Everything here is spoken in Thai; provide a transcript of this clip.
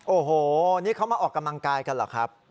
โอ้โหนี่เขามาออกกำลังกายกันเหรอครับ